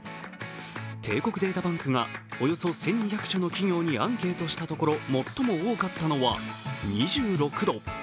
帝国データバンクがおよそ１２００社の企業にアンケートとしたところ、最も多かったのは２６度。